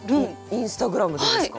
インスタグラムでですか？